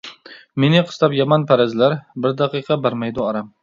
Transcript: مېنى قىستاپ يامان پەرەزلەر، بىر دەقىقە بەرمەيدۇ ئارام.